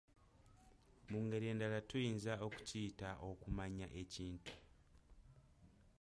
Mu ngeri endala tuyinza okukiyita okumanya ekintu.